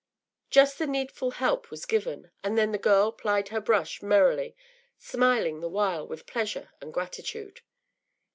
Just the needful help was given, and then the girl plied her brush merrily, smiling the while with pleasure and gratitude.